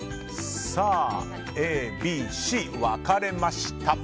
Ａ、Ｂ、Ｃ分かれました。